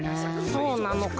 そうなのか？